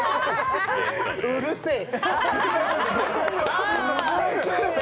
うるせえ。